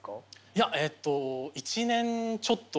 いやえっと１年ちょっと。